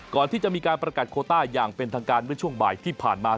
ก่อนที่จะมีการประกาศโคต้าอย่างเป็นทางการเมื่อช่วงบ่ายที่ผ่านมา